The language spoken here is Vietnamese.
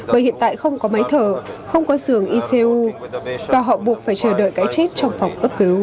bởi hiện tại không có máy thở không có giường icu và họ buộc phải chờ đợi cái chết trong phòng cấp cứu